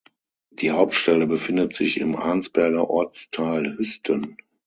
Die Hauptstelle befindet sich im Arnsberger Ortsteil Hüsten.